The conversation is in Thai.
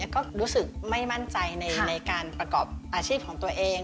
ก็รู้สึกไม่มั่นใจในการประกอบอาชีพของตัวเอง